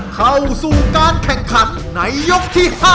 เข้าสู่การแข่งขันในยกที่๕